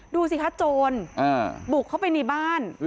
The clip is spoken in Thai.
ดูสิคะโจรบุกเข้าไปในบ้าน